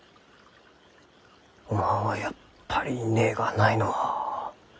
おまんはやっぱり根がないのう。